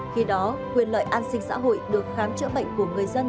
khi đó quyền lợi an sinh xã hội được khám chữa bệnh của người dân